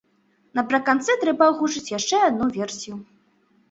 Напрыканцы трэба агучыць яшчэ адну версію.